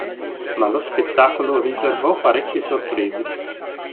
Ma lo spettacolo riservò parecchie sorprese.